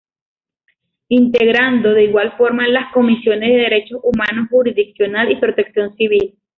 Integrando de igual forma, las Comisiones de Derechos Humanos, Jurisdiccional y Protección Civil.